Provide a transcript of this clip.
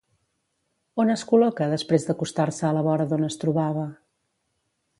On es col·loca després d'acostar-se a la vora d'on es trobava?